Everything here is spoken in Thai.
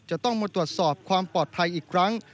จะต้องมาตรวจสอบความปลอดภัยอีกครั้ง